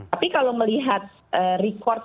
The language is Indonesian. tapi kalau melihat record